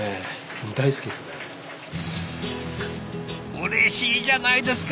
うれしいじゃないですか！